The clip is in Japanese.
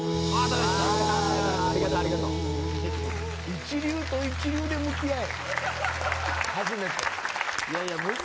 一流と一流で向き合え。